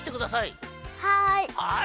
はい。